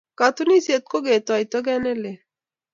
Katunisyet ko ketoi togeet ne lel.